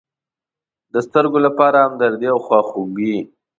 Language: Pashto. د سترگو لپاره همدردي او خواخوږي.